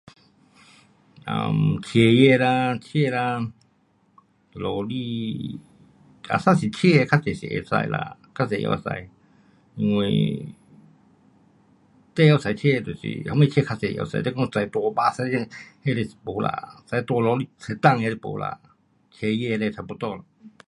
um 车子啦，车啦，罗厘，asal 是车的，较多是可以啦，较多会晓驾，因为你会晓驾车就是什么车较多会晓驾。你讲 bus 那种那个是没啦，驾大船一 tan 那种是没啦，车子那种差不多。